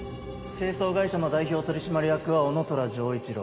清掃会社の代表取締役は男虎丈一郎。